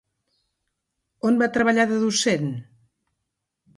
On va treballar de docent?